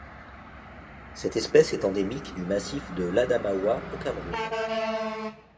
Cette espèce est endémique du massif de l'Adamaoua au Cameroun.